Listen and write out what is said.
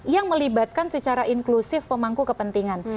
yang melibatkan secara inklusif pemangku kepentingan